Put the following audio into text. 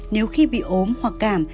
nếu khi bị ốm hoặc cảm